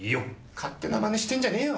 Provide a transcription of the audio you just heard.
勝手なマネしてんじゃねーよ。